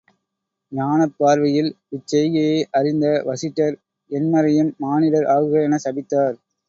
ஞானப் பார்வையில் இச் செய்கையை அறிந்த வசிட்டர் எண்மரையும் மானிடர் ஆகுக எனச் சபித்தார்.